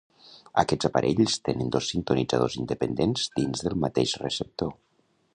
Aquests aparells tenen dos sintonitzadors independents dins del mateix receptor.